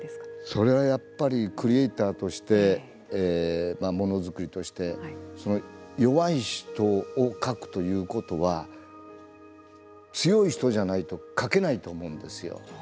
それはやっぱりクリエーターとしてものづくりとして弱い人を描くということは強い人じゃないと描けないと思うんですよ。